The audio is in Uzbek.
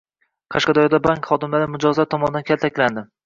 Qashqadaryoda bank xodimlari mijozlar tomonidan kaltaklandi